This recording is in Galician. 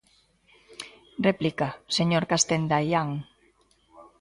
Réplica, señor Castenda Aián.